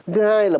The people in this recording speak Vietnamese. thứ hai là